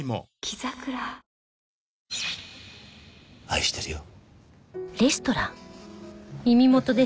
愛してるよ。